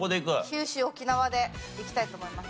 九州・沖縄でいきたいと思います。